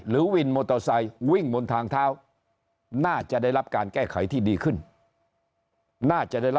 หรือวินมอเตอร์ไซค์วิ่งบนทางเท้าน่าจะได้รับการแก้ไขที่ดีขึ้น